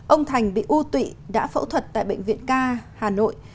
ông thành bị u tụy đã phẫu thuật tại bệnh viện ca hà nội